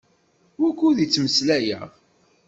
Wukud i ttmeslayeɣ?